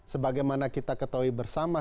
sebagaimana kita ketahui bersama